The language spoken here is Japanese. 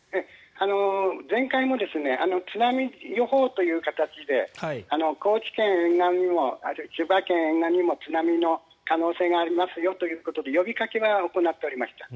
前回も津波予報という形で高知県沿岸、千葉県沿岸にも津波の可能性がありますよということで呼びかけは行っておりました。